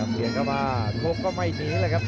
เกิดเข้าขาโพกก็ไม่หนีเลยครับ